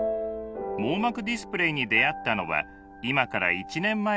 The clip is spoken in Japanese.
網膜ディスプレイに出会ったのは今から１年前のことでした。